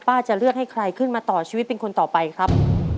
จะเลือกให้ใครขึ้นมาต่อชีวิตเป็นคนต่อไปครับ